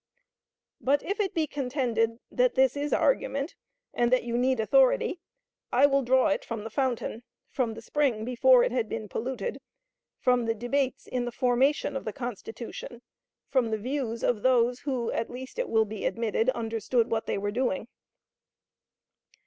But, if it be contended that this is argument, and that you need authority, I will draw it from the fountain; from the spring before it had been polluted; from the debates in the formation of the Constitution; from the views of those who at least it will be admitted understood what they were doing.